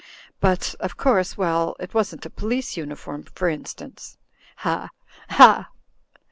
But— of cotirse — well, it wasn't a police uniform, for instance. Ha! Ha!"